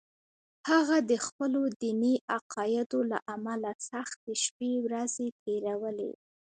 هغه د خپلو دیني عقایدو له امله سختې شپې ورځې تېرولې